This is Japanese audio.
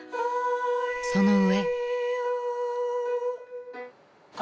［その上］